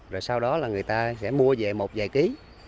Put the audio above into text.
rồi sau đó là người ta sẽ mua về một vài ký